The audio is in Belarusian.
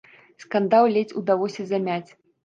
Скандал ледзь удалося замяць.